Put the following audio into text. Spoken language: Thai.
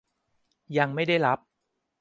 ยังไม่ได้รับ